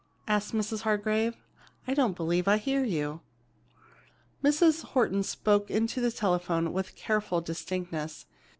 asked Mrs. Hargrave. "I don't believe I hear you." Mrs. Horton spoke into the telephone with careful distinctness.